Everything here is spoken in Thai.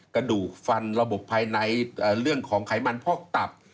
กระดูกฟันระบบภายในเรื่องของไขมันพอกตับ